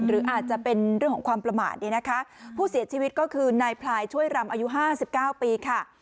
หรืออาจจะเป็นเรื่องของความประมาทเนี่ยนะคะผู้เสียชีวิตก็คือนายพลายช่วยรำอายุห้าสิบเก้าปีค่ะ